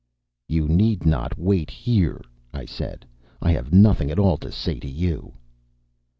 "You need not wait here," I said; "I have nothing at all to say to you."